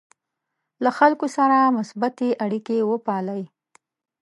له خلکو سره مثبتې اړیکې وپالئ.